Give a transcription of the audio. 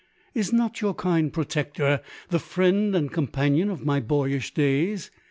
Is not your kind protector, the friend and com panion of my boyish days ?